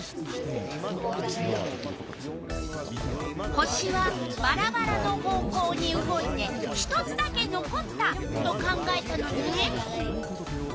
星はばらばらの方向に動いて１つだけのこったと考えたのね。